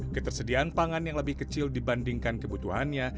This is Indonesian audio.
ketersediaan pangan yang lebih kecil dibandingkan kebutuhannya